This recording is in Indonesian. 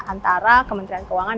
antara kementerian keuangan